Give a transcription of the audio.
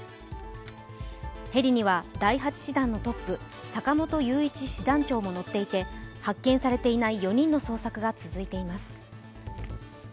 ヘリには第８師団のトップ、坂本雄一師団長も乗っていて発見されていない４人の捜索が続いています。